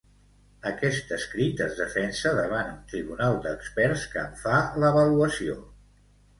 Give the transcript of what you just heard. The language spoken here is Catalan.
Aquest escrit es defensa davant un tribunal d'experts que en fa l'avaluació.